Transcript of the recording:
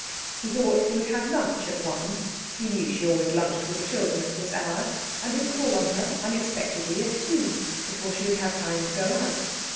He thought he would have lunch at one (he knew she always lunched with the children at this hour), and would call on her unexpectedly at two, before she would have time to go out.